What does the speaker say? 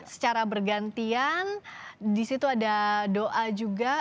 secara bergantian disitu ada doa juga